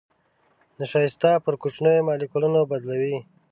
نشایسته پر کوچنيو مالیکولونو بدلوي.